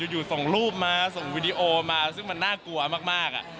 อยู่ส่งรูปมาส่งวิดีโอมาซึ่งมันน่ากลัวมาก